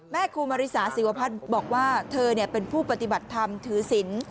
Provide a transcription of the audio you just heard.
ครูมาริสาศิวพัฒน์บอกว่าเธอเป็นผู้ปฏิบัติธรรมถือศิลป์